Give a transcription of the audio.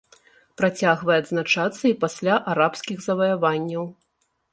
Працягвае адзначацца і пасля арабскіх заваяванняў.